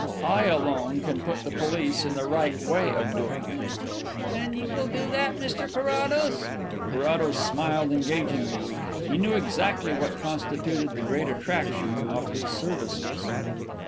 "I alone can put the police in the right way of doing it." "And you will do that, Mr Carrados?" Carrados smiled engagingly. He knew exactly what constituted the great attraction of his services.